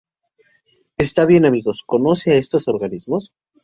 Está bien. Amigos. ¿ conoce a estos organismos?